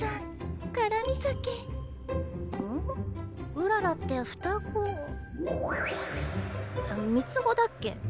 うららって双子三つ子だっけ？